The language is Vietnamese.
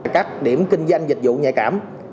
các điểm kinh doanh dịch vụ nhạy cảm